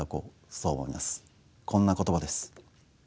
こんな言葉です。